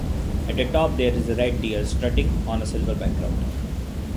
At the top there is a red deer strutting on a silver background.